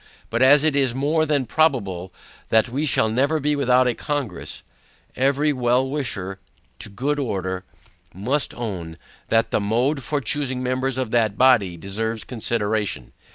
But as it is more than probable that we shall never be without a CONGRESS, every well wisher to good order, must own, that the mode for choosing members of that body, deserves consideration.